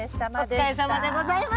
お疲れさまでございました。